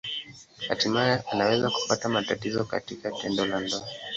Hatimaye anaweza kupata matatizo katika tendo la ndoa.